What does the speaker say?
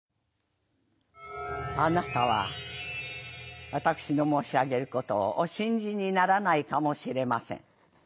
「あなたは私の申し上げることをお信じにならないかもしれません。